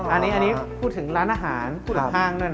อันนี้พูดถึงร้านอาหารพูดถึงห้างด้วยนะ